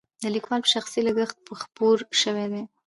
د لیکوال په شخصي لګښت خپور شوی دی.